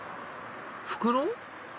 袋？